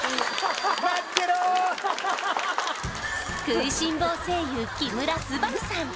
食いしん坊声優木村昴さん